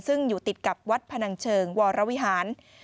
ซึ่งอยู่ติดกับวัดพนังเชิงวรวิหาร